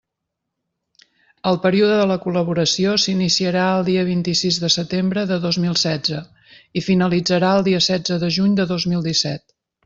El període de la col·laboració s'iniciarà el dia vint-i-sis de setembre de dos mil setze i finalitzarà el dia setze de juny de dos mil disset.